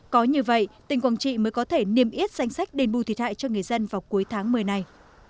có như vậy tỉnh quảng trị mới có thể niêm yết danh sách đền bù thiệt hại cho người dân vào cuối tháng một mươi này